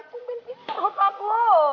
tuh bencin perhatian lu